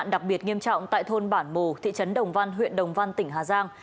nạn đặc biệt nghiêm trọng tại thôn bản mồ thị trấn đồng văn huyện đồng văn tỉnh hà giang